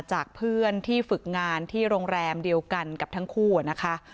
จากเพื่อนที่ฝึกงานที่โรงแรมเดียวกันกับทั้งคู่นะคะ